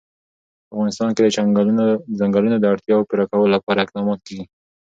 په افغانستان کې د چنګلونه د اړتیاوو پوره کولو لپاره اقدامات کېږي.